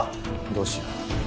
どうしよう。